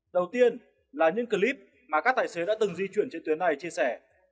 đầu tiên là những clip mà các tài xế đã từng di chuyển trên tuyến này chia sẻ